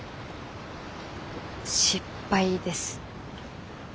失敗です。